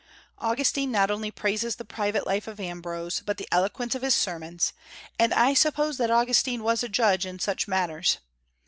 Augustine not only praises the private life of Ambrose, but the eloquence of his sermons; and I suppose that Augustine was a judge in such matters.